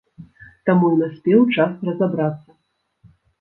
Таму і наспеў час разабрацца.